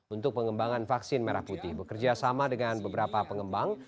untuk pengembangan vaksin merah putih bekerja sama dengan beberapa pengembang